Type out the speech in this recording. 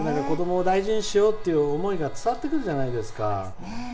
子どもを大事にしようっていう思いが伝わってくるじゃないですか。